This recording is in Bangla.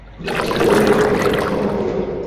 সেখানে গৌর-মাকে এক বৎসর মহান্ত করিবে ইত্যাদি ইত্যাদি।